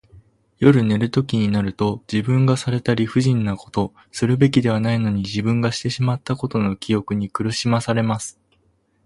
夜寝るときになると、自分がされた理不尽なこと、するべきではないのに自分がしてしまったことの記憶に苦しまされます。